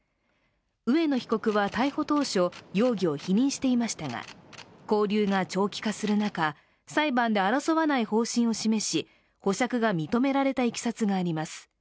植野被告は逮捕当初、容疑を否認していましたが、勾留が長期化する中、裁判で争わない方針を示し、保釈が認められたいきさつがあります。